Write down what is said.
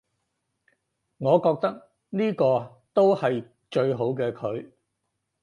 我覺得呢個都係最好嘅佢